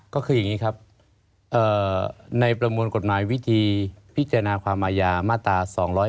ก็คืออย่างนี้ครับในประมวลกฎหมายวิธีพิจารณาความอาญามาตรา๒๗